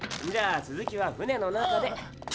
続きは船の中で。